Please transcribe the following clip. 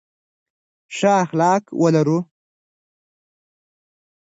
ښه اخلاق ولرو.